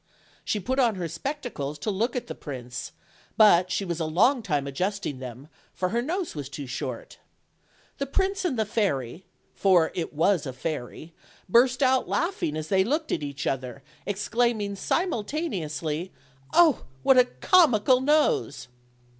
She put on her spectacles to look hi the prince, but she was a long time adjusting them, for her nose was too short. The prince and the fairy (for it was a fairy), burst out laugh ing as they looked at each other exclaiming simulta neously: "Oh! what a comical nose!"